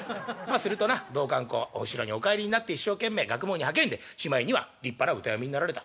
するとな道灌公お城にお帰りになって一生懸命学問に励んでしまいには立派な歌詠みになられた」。